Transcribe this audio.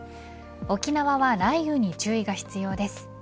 沖縄は雷雨に注意が必要です。